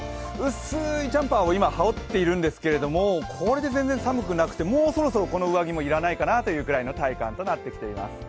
薄いジャンパーを今、羽織っているんですけどこれで全然寒くなくてもうそろそろこの上着も要らないかなという体感になっています。